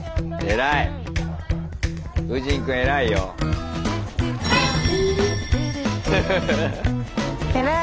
偉い！